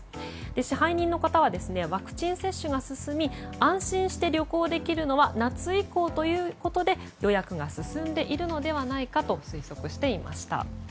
支配人の方はワクチン接種が進み安心して旅行できるのは夏以降ということで予約が進んでいるのではないかと推測していました。